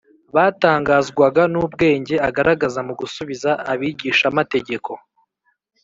Batangazwaga n’ubwenge agaragaza mu gusubiza abigishamategeko